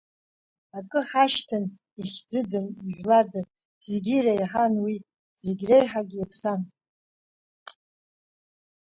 Акы ҳашьҭан ихьӡыдан, ижәладан, зегьы иреиҳан уи, зегь реиҳагь иаԥсан.